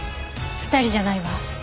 ２人じゃないわ。